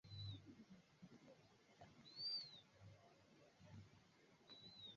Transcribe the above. Ujenzi wa bomba la mafuta kutoka Uganda hadi Tanzania upo matatani